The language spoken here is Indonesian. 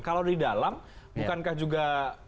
kalau di dalam bukankah juga